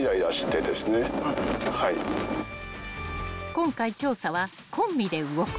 ［今回調査はコンビで動く］